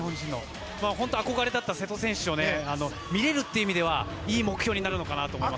本当に憧れだった瀬戸選手を見れるという意味ではいい目標になるかなと思います。